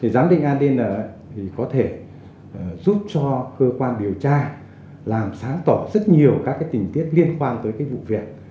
giám định adn có thể giúp cho cơ quan điều tra làm sáng tỏ rất nhiều các tình tiết liên quan tới vụ việc